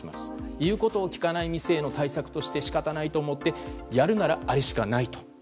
言うことを聞かない店への対策として仕方ないと思ってやるならあれしかないと。